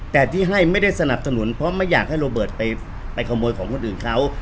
แต่ที่ให้ไม่ได้สนับสนุนเพราะไม่อยากให้โรเบิร์ตไปขโมยของคนอื่นเขา